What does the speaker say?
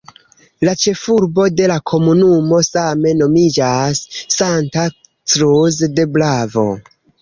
La ĉefurbo de la komunumo same nomiĝas "Santa Cruz de Bravo".